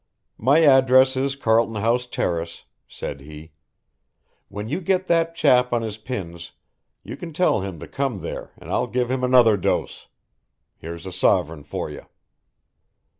"My address is Carlton House Terrace," said he. "When you get that chap on his pins you can tell him to come there and I'll give him another dose. Here's a sovereign for you."